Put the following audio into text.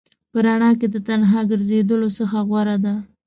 په رڼا کې د تنها ګرځېدلو څخه غوره ده.